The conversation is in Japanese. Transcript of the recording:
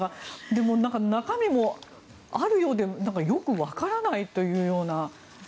でも中身もあるようでなんかよくわからないという。